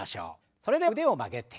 それでは腕を曲げて。